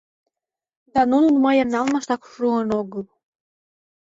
Да нунын мыйым налмыштак шуын огыл.